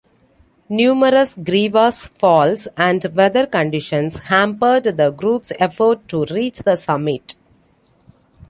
Numerous crevasse falls and weather conditions hampered the group's efforts to reach the summit.